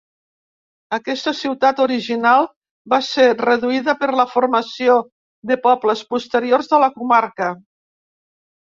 Aquesta ciutat original va ser reduïda per la formació de pobles posteriors de la comarca.